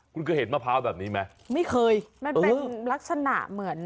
คุณเคยเห็นมะพร้าวแบบนี้ไหมไม่เคยมันเป็นลักษณะเหมือน